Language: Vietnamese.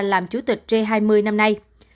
làm chủ tịch g hai mươi năm nay